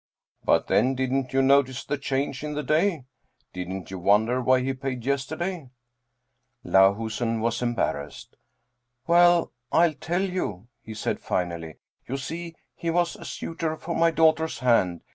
" But then, didn't you notice the change in the day ? Didn't you wonder why he paid yesterday ?" Lahusen was embarrassed. "Well, I'll tell you," he said finally ;" you see he was a suitor for my daughter's hand.